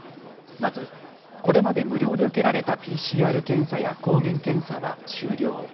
まずこれまで無料で受けられたＰＣＲ検査や抗原検査は終了。